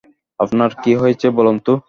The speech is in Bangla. আপনার কী হয়েছে বলুন তো?